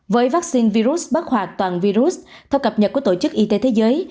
với vaccine virus bất hoạt toàn virus theo cập nhật của tổ chức y tế thế giới